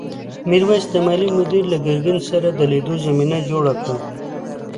میرويس د مالیې مدیر له ګرګین سره د لیدو زمینه جوړه کړه.